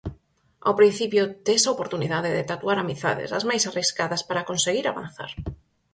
Ao principio tes a oportunidade de tatuar amizades, as máis arriscadas, para conseguir avanzar.